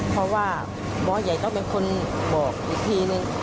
เพราะว่าหมอใหญ่ต้องเป็นคนบอกอีกทีนึง